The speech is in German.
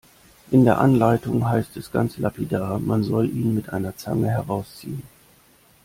In der Anleitung heißt es ganz lapidar, man soll ihn mit einer Zange herausziehen.